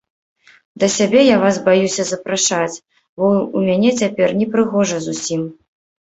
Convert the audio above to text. Да сябе я вас баюся запрашаць, бо ў мяне цяпер непрыгожа зусім.